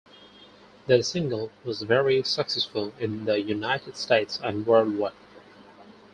The single was very successful in the United States and worldwide.